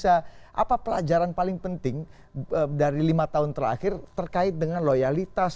apa pelajaran paling penting dari lima tahun terakhir terkait dengan loyalitas